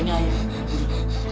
ini ayah ini ayah